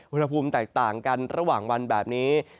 อุณหภูมิแตกต่างกันระหว่างวันแบบนี้